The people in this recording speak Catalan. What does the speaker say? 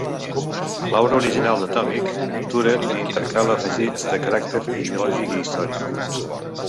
A l'obra original de Tomic, Turell hi intercalà afegits de caràcter ideològic i històric.